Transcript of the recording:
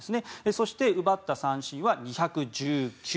そして、奪った三振は２１９。